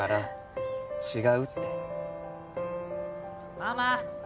ママ！